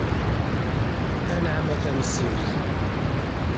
Anɛam a Tamsiwt.